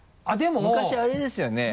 昔あれですよね？